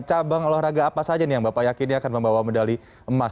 cabang olahraga apa saja nih yang bapak yakini akan membawa medali emas